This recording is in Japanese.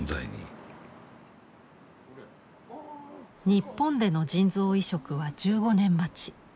日本での腎臓移植は１５年待ち。